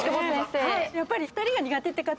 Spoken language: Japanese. やっぱり２人が苦手って方。